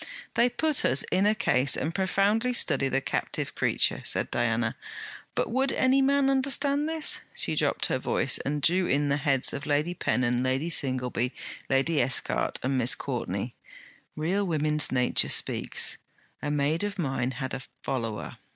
'They put us in a case and profoundly study the captive creature,' said Diana: 'but would any man understand this...?' She dropped her voice and drew in the heads of Lady Pennon, Lady Singleby, Lady Esquart and Miss Courtney: 'Real woman's nature speaks. A maid of mine had a "follower."